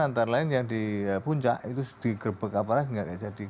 antara lain yang di puncak itu digebek apalagi tidak jadi